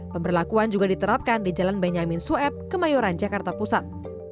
pemberlakuan juga diterapkan di jalan benyamin sueb kemayoran jakarta pusat